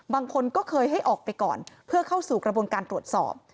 บางคนก็เคยให้ออกไปก่อนเพื่อเข้าสู่กระบวนการตรวจสอบ